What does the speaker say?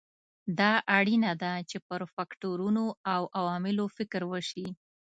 دا اړینه ده چې پر فکټورونو او عواملو فکر وشي.